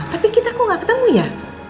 tapi kita kok gak ketemu ya